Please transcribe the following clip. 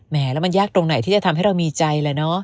แล้วมันยากตรงไหนที่จะทำให้เรามีใจแล้วเนอะ